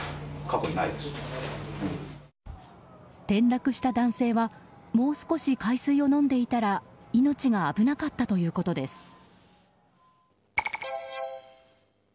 転落した男性はもう少し海水を飲んでいたら命が危なかったということです。